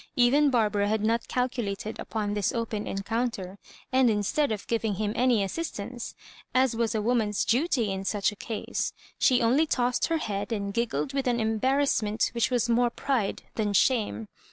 Even Bar bara had not calculated upon this open encoun ter; and instead of giving him any assistance, as was a woman's duty in such a case, she only tossed her head, and giggled with an embarrass ment which was more pride than shame.